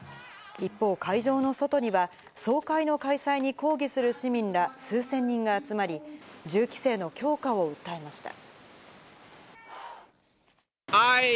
一方、会場の外には総会の開催に抗議する市民ら数千人が集まり、銃規制の強化を訴えました。